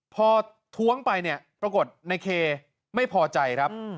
พอท้วงไปเนี่ยปรากฏในเคไม่พอใจครับ